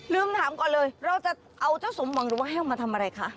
ลืมถามก่อนเลยเราจะเอาเจ้าสมหวังหรือว่าแห้วมาทำอะไรคะ